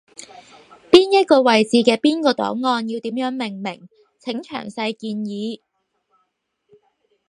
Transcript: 邊一個位置嘅邊個檔案要點樣命名，請詳細建議